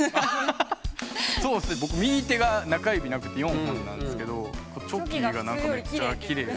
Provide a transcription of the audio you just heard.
僕右手が中指なくて４本なんですけどチョキがめっちゃきれい。